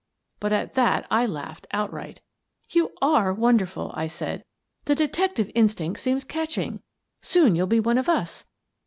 But at that I laughed outright. "You are wonderful!" I said. "The detective instinct seems catching. Soon you'll be one of us.